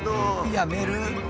やめる？